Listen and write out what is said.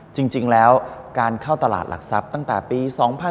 จริงแล้วการเข้าตลาดหลักทรัพย์ตั้งแต่ปี๒๕๕๙